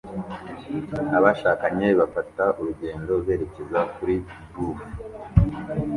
Abashakanye bafata urugendo berekeza kuri bluff